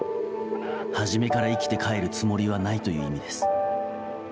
初めから生きて帰るつもりはないという意味です。